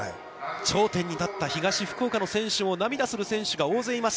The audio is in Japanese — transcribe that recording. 頂点に立った東福岡の選手も涙する選手が大勢います。